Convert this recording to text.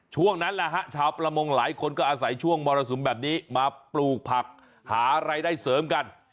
ช่วงนั้นแหละฮะชาวประมงหลายคนก็อาศัยช่วงมรสุมแบบนี้มาปลูกผักหารายได้เสริมกัน